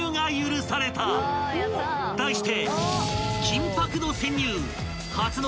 ［題して］